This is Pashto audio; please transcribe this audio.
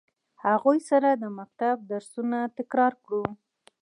هغوی سره د مکتب درسونه تکرار کړو.